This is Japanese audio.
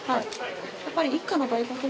やっぱり一家の大黒柱